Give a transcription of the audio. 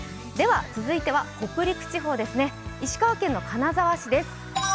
続いては北陸地方ですね、石川県の金沢市です。